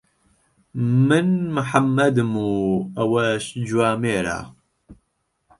من محەممەدم و ئەوەش جوامێرە.